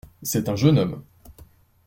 C’est un jeune homme.